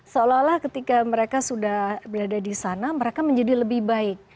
seolah olah ketika mereka sudah berada di sana mereka menjadi lebih baik